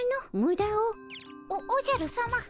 おおじゃるさま。